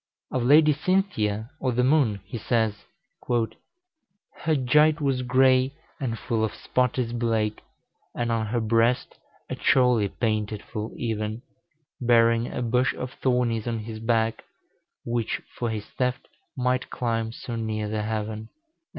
Of Lady Cynthia, or the moon, he says, "Her gite was gray and full of spottis blake, And on her brest a chorle painted ful even, Bering a bush of thornis on his backe, Whiche for his theft might clime so ner the heaven."